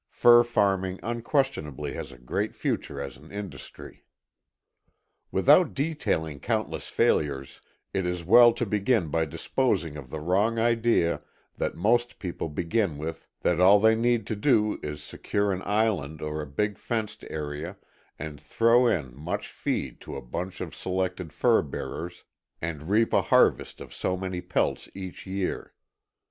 Fur farming unquestionably has a great future as an industry. Without detailing countless failures; it is well to begin by disposing of the wrong idea that most people begin with, that all they need to do is secure an island or a big fenced area, and throw in much feed to a bunch of selected fur bearers, and reap a harvest of so many pelts each year.